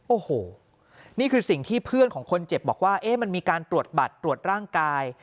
โอ้โหนี่คือสิ่งที่เพื่อนของคนเจ็บบอกว่ามันมีการตรวจบัตรตรวจร่างกาย